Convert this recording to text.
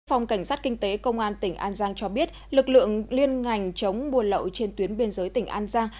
phòng cảnh sát kinh tế công an tỉnh an giang cho biết lực lượng liên ngành chống buôn lậu trên tuyến biên giới tỉnh an giang